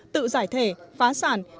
tự giải thể phá sản